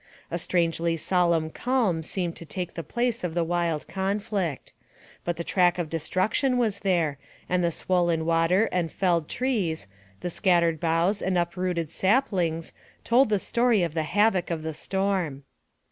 A strangely solemn calm seemed to take the place of the wild conflict; but the track of destruction was there, and the swollen water and felled trees, the scattered boughs and uprooted sap lings, told the story of the havoc of the storm.